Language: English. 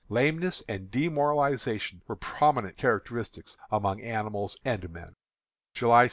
Lameness and demoralization were prominent characteristics among animals and men. _July 6.